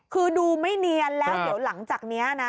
คือดูไม่เนียนแล้วเดี๋ยวหลังจากนี้นะ